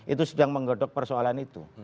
itu sedang menggodok persoalan itu